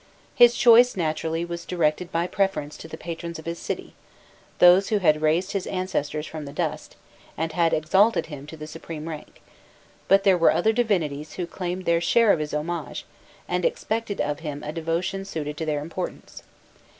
His choice naturally was directed by preference to the patrons of his city, those who had raised his ancestors from the dust, and had exalted him to the supreme rank, but there were other divinities who claimed their share of his homage and expected of him a devotion suited to their importance.